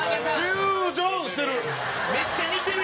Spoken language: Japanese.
フュージョンしてる！